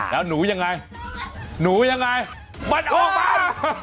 แล้วหนูยังไงหนูยังไงมันออกมา